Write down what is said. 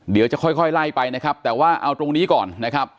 เดี๋ยวจะค่อยไล่ไปนะครับแต่ว่าเอาตรงนี้ก่อนนะครับ